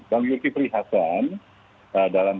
bang yuki prihassan dalam